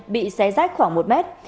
bị xé rách khoảng một mét